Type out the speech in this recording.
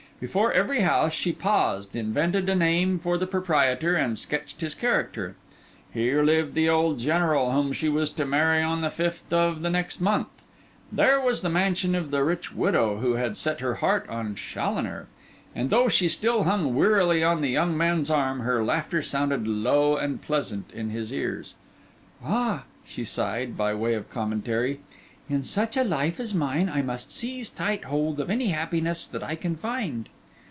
Before every house she paused, invented a name for the proprietor, and sketched his character: here lived the old general whom she was to marry on the fifth of the next month, there was the mansion of the rich widow who had set her heart on Challoner; and though she still hung wearily on the young man's arm, her laughter sounded low and pleasant in his ears. 'Ah,' she sighed, by way of commentary, 'in such a life as mine I must seize tight hold of any happiness that I can find.